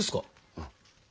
うん。